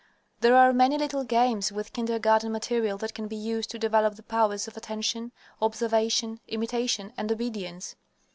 There are many little games with kindergarten materials that can be used to develop the powers of attention, observation, imitation, and obedience.